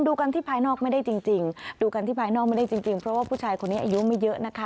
ดูกันที่ภายนอกไม่ได้จริงเพราะว่าผู้ชายคนนี้อายุไม่เยอะนะคะ